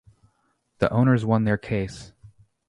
The owners won their case.